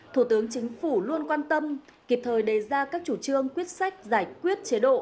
thủ tướng chính phủ luôn quan tâm kịp thời đề ra các chủ trương quyết sách giải quyết chế độ